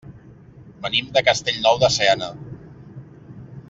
Venim de Castellnou de Seana.